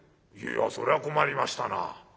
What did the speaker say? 「いやそれは困りましたな。